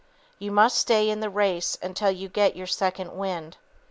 You must stay in the race until you get your "second wind."